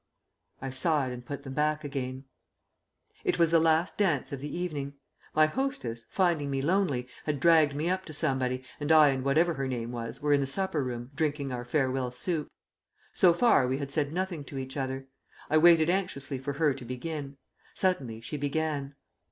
I sighed and put them back again. ..... It was the last dance of the evening. My hostess, finding me lonely, had dragged me up to somebody, and I and whatever her name was were in the supper room drinking our farewell soup. So far we had said nothing to each other. I waited anxiously for her to begin. Suddenly she began.